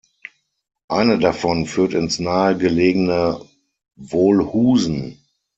Eine davon führt ins nahegelegene Wolhusen.